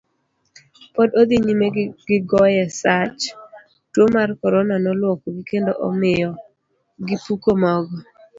Pod odhi nyime gi goye sach, tuo mar korona noluokogi kendo omiyo gipuko mogo.